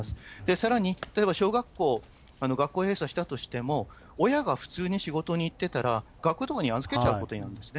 さらに例えば小学校、学校閉鎖したとしても、親が普通に仕事に行ってたら、学童に預けちゃうことになるんですね。